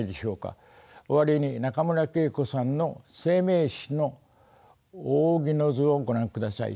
終わりに中村桂子さんの生命誌の扇の図をご覧ください。